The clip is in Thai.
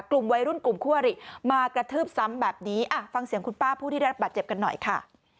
กลุ่มวัยรุ่นกลุ่มคั่วหรี่มากระทืบซ้ำแบบนี้ฟังเสียงคุณป้าผู้ที่ได้รับบาดเจ็บกันหน่อยค่ะ